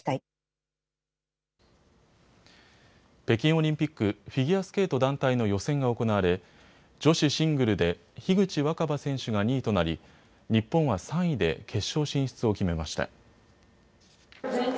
北京オリンピックフィギュアスケート団体の予選が行われ女子シングルで樋口新葉選手が２位となり日本は３位で決勝進出を決めました。